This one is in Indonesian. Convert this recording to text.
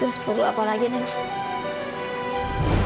terus perlu apa lagi nanti